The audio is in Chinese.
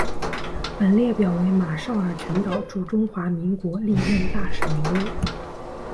本列表为马绍尔群岛驻中华民国历任大使名录。